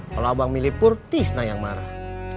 kalau abang milih pur tisna yang marah